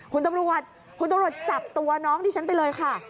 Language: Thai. คุณตำรวจคุณตำรวจจับตัวน้องที่ฉันไปเลยค่ะ